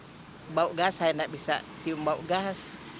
saya tidak bisa bau gas saya tidak bisa cium bau gas